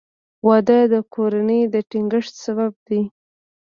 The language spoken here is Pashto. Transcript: • واده د کورنۍ د ټینګښت سبب دی.